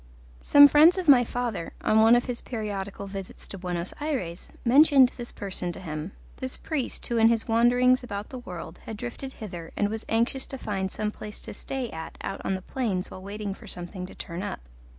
Some friends of my father, on one of his periodical visits to Buenos Ayres, mentioned this person to him this priest who in his wanderings about the world had drifted hither and was anxious to find some place to stay at out on the plains while waiting for something to turn up.